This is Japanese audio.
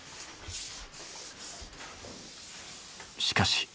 しかし。